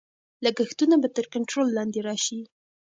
لګښتونه به تر کنټرول لاندې راشي.